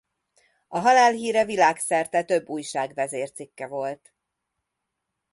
A halálhíre világszerte több újság vezércikke volt.